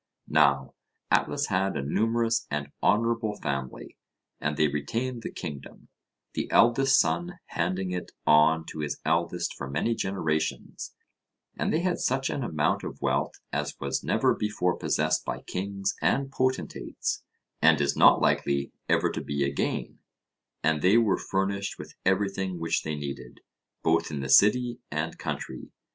Now Atlas had a numerous and honourable family, and they retained the kingdom, the eldest son handing it on to his eldest for many generations; and they had such an amount of wealth as was never before possessed by kings and potentates, and is not likely ever to be again, and they were furnished with everything which they needed, both in the city and country.